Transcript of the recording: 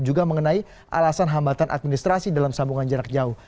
juga mengenai alasan hambatan administrasi dalam sambungan jarak jauh